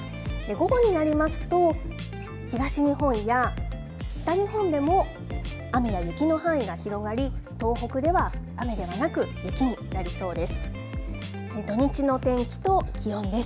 午後になりますと、東日本や北日本でも、雨や雪の範囲が広がり、東北では雨ではなく、雪になりそうです。